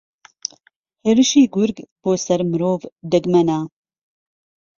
ھێرشی گورگ بۆسەر مرۆڤ دەگمەنە